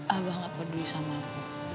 abah gak peduli sama aku